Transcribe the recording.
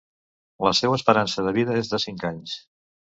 La seua esperança de vida és de cinc anys.